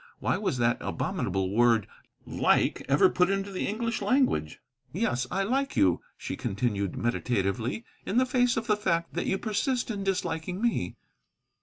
Why was that abominable word "like" ever put into the English language? "Yes, I like you," she continued meditatively, "in the face of the fact that you persist in disliking me."